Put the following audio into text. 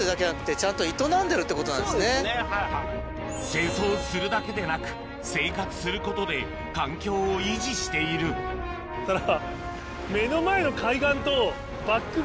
清掃するだけでなく生活することで環境を維持しているただ。